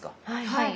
はい。